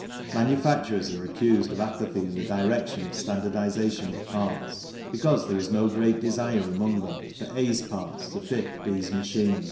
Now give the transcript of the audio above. Manufacturers are accused of apathy in the direction of standardization of parts because there is no great desire among them for A's parts to fit B's machine.